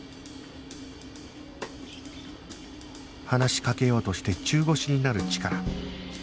話しかけようとして中腰になるチカラ